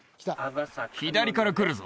左から来るぞ